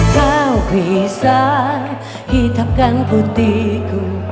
kau bisa hitapkan putihku